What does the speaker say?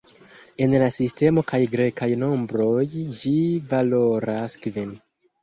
En la sistemo de grekaj nombroj ĝi valoras kvin.